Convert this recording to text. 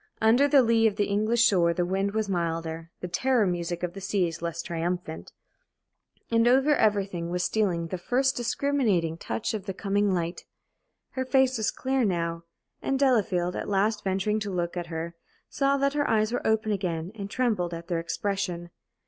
Under the lee of the English shore the wind was milder, the "terror music" of the sea less triumphant. And over everything was stealing the first discriminating touch of the coming light. Her face was clear now; and Delafield, at last venturing to look at her, saw that her eyes were open again, and trembled at their expression.